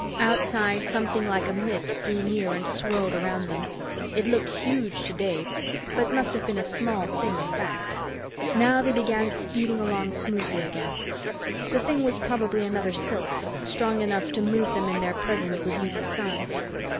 Outside, something like a mist drew near and swirled around them. It looked huge to Dave, but must have been a small thing in fact. Now they began speeding along smoothly again. The thing was probably another sylph, strong enough to move them in their present reduced size.